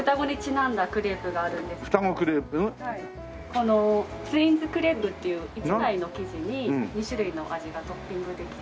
このツインズクレープっていう１枚の生地に２種類の味がトッピングできて。